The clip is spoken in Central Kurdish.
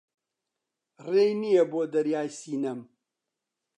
ڕێی نییە بۆ دەریای سینەم